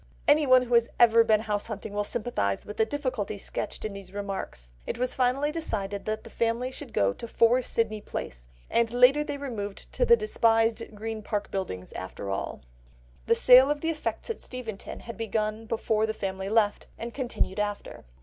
Anyone who has ever been house hunting will sympathise with the difficulties sketched in these remarks. It was finally decided that the family should go to 4 Sydney Place, and later they removed to the despised Green Park Buildings after all. The sale of the effects at Steventon had begun before the family left, and continued after.